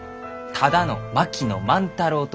ただの槙野万太郎か。